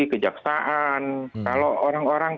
kejaksaan kalau orang orang